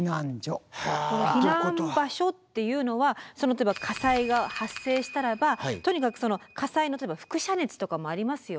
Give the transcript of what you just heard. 避難場所っていうのは例えば火災が発生したらばとにかく火災の例えばふく射熱とかもありますよね。